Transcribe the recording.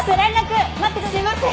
すいません。